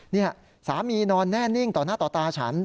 นี่สามีนอนแน่นิ่งต่อหน้าต่อตาฉัน